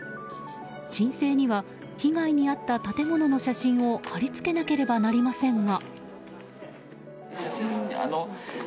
申請には被害に遭った建物の写真を貼り付けなければなりませんが。